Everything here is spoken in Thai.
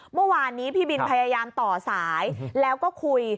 เมื่อวานนี้พี่บินพยายามต่อสายแล้วก็คุย